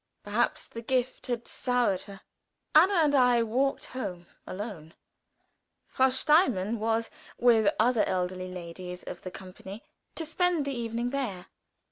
Perhaps the gift had soured her. Anna and I walked home alone. Frau Steinmann was, with other elderly ladies of the company, to spend the evening there.